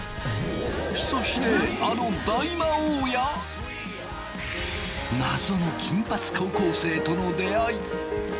そしてあの大魔王や謎の金髪高校生との出会い。